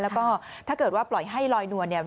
แล้วก็ถ้าเกิดว่าปล่อยให้ลอยนวลเนี่ย